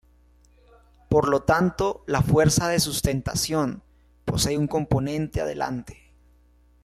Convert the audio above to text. Por lo tanto la fuerza de sustentación posee un componente adelante.